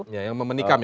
ya yang menikam ya